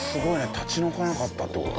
立ち退かなかったって事？